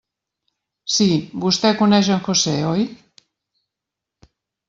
Sí, Vostè coneix en José, ¿oi?